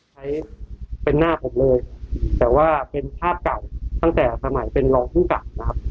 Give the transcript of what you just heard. ใช่ฮะใช่ต้องไปฟังเสียงสักนิดนึงฮะ